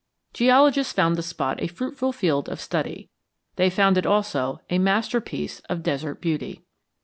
Geologists found the spot a fruitful field of study. They found it also a masterpiece of desert beauty.